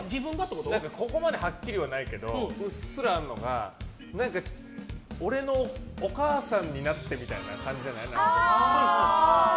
ここまではっきりはないけどうっすらあるのが俺のお母さんになってみたいな感じじゃない？